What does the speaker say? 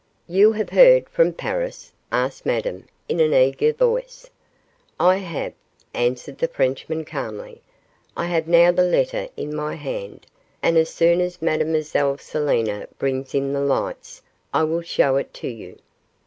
'You have heard from Paris?' asked Madame, in an eager voice. 'I have,' answered the Frenchman, calmly; 'I have now the letter in my hand, and as soon as Mlle Selina brings in the lights I will show it to you.